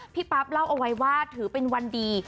ปั๊บเล่าเอาไว้ว่าถือเป็นวันดี